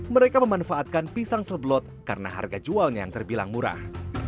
mereka memanfaatkan pisang seblot karena harga jualnya yang terbilang murah